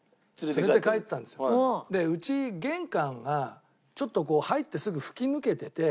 でうち玄関がちょっと入ってすぐ吹き抜けてて。